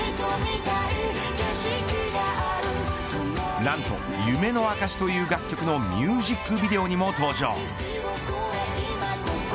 なんと、夢のあかしという楽曲のミュージックビデオにも登場。